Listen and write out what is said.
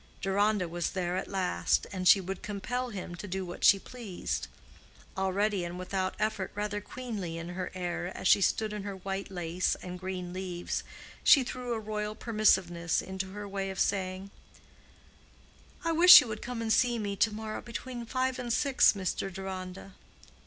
Deronda was there at last, and she would compel him to do what she pleased. Already and without effort rather queenly in her air as she stood in her white lace and green leaves she threw a royal permissiveness into her way of saying, "I wish you would come and see me to morrow between five and six, Mr. Deronda."